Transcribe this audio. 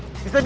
bisa diam gak